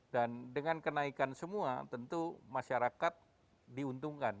dan dengan kenaikan semua tentu masyarakat diuntungkan